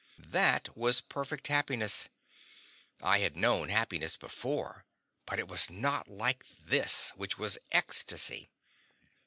That was perfect happiness; I had known happiness before, but it was not like this, which was ecstasy.